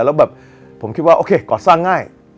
แล้วแบบผมคิดว่าโอเคก่อสร้างง่าย